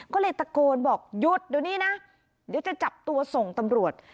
ก็เลยตะโกนบอกหยุดเดี๋ยวนี้นะเดี๋ยวจะจับตัวส่งตำรวจ